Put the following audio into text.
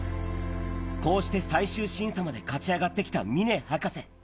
こうして最終審査まで勝ち上がってきた峰博士。